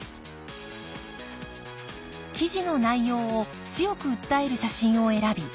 記事の内容を強く訴える写真を選び